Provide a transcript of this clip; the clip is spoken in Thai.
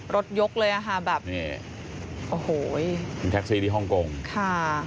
ยกเลยอ่ะค่ะแบบนี้โอ้โหคุณแท็กซี่ที่ฮ่องกงค่ะ